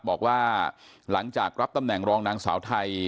บอกว่าหลังจากรับตำแหน่งรองนางสาวไทย